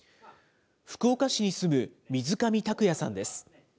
福岡市に住む水上卓也さんです。